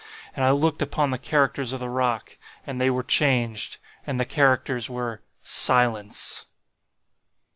And I looked upon the characters of the rock, and they were changed; and the characters were SILENCE.